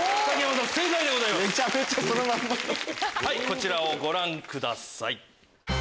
こちらをご覧ください。